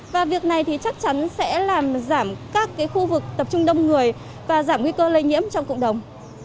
và việc này thì chắc chắn sẽ làm giảm các khu vực tập trung đông người và giảm nguy cơ lây nhiễm trong cộng đồng